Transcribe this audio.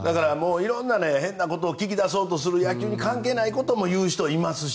いろんな変なことを聞き出そうと野球に関係ないことを言う人がいますし。